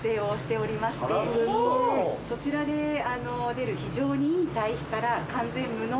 そちらで出る非常にいい堆肥から。